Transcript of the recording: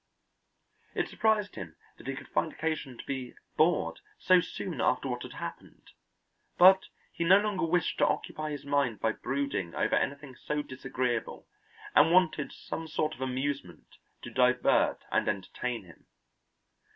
It surprised him that he could find occasion to be bored so soon after what had happened; but he no longer wished to occupy his mind by brooding over anything so disagreeable and wanted some sort of amusement to divert and entertain him.